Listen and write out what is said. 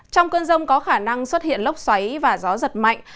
trong cơn rông có khả năng xuất hiện lốc xoáy và gió giật mạnh